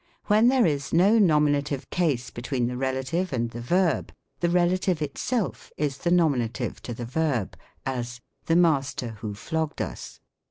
When there is no nominative case between the rel ative and the verb, the relative itself is the nominative to the verb : as, " The master who flogged us."